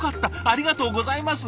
ありがとうございます！